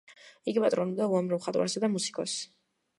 იგი პატრონობდა უამრავ მხატვარსა და მუსიკოსს.